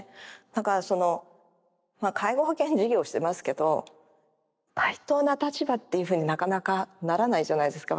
だからその介護保険事業をしてますけど対等な立場っていうふうになかなかならないじゃないですか。